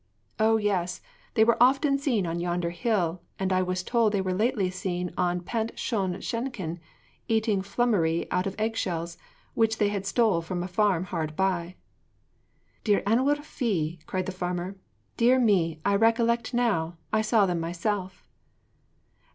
'O yes; they were often seen on yonder hill, and I was told they were lately seen in Pant Shon Shenkin, eating flummery out of egg shells, which they had stolen from a farm hard by.' 'Dir anwyl fi!' cried the farmer; 'dear me! I recollect now I saw them myself!'